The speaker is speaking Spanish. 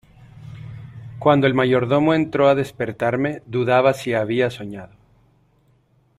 cuando el mayordomo entró a despertarme, dudaba si había soñado: